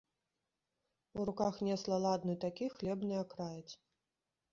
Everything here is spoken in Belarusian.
У руках несла ладны такі хлебны акраец.